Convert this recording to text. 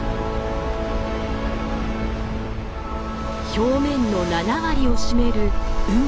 表面の７割を占める海。